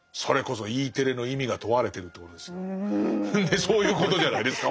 そういうことじゃないですか。